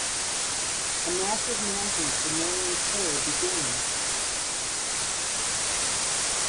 A massive manhunt for Marion's killer began.